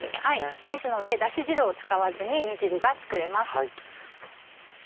ですのでだし汁を使わずに煮汁が作れます。